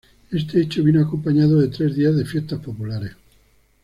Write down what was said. Este hecho vino acompañado de tres días de fiestas populares.